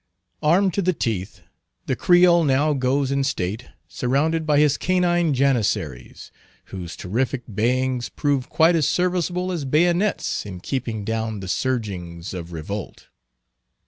Armed to the teeth, the Creole now goes in state, surrounded by his canine janizaries, whose terrific bayings prove quite as serviceable as bayonets in keeping down the surgings of revolt.